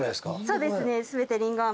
そうですね。